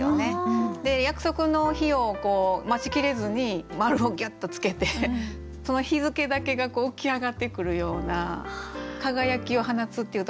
で約束の日を待ちきれずに丸をギュッと付けてその日付だけが浮き上がってくるような「輝きを放つ」っていうところがね